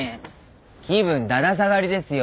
気分だだ下がりですよ。